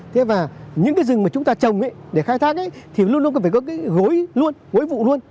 thế và những cái rừng mà chúng ta trồng để khai thác thì luôn luôn phải có cái gối luôn gối vụ luôn